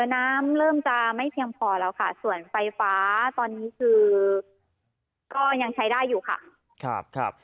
น้ำเริ่มจะไม่เพียงพอแล้วค่ะส่วนไฟฟ้าตอนนี้คือก็ยังใช้ได้อยู่ค่ะครับ